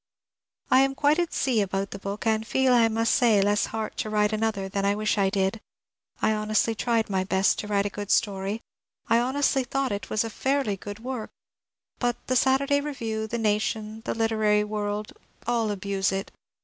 I am quite at sea about the book ; and feel, I must say, less heart to write another than I wish I did. I honestly tried my best to write a good story — I honestly thought it was a fairly good work ; but the " Saturday Review," the Nation," the " Literary World," all abuse it.